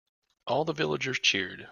All the villagers cheered.